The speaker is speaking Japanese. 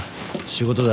仕事だ。